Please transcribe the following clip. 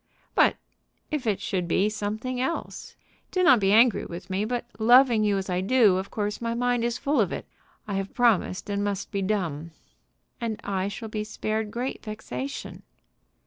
"But if it should be something else? Do not be angry with me, but, loving you as I do, of course my mind is full of it. I have promised, and must be dumb." "And I shall be spared great vexation."